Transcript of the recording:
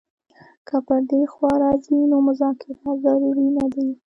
که پر دې خوا راځي نو مذاکرات ضرور نه دي.